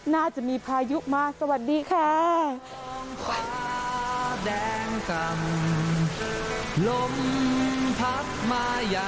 น่าจะมีพายุมาสวัสดีค่ะ